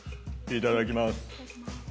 いただきます。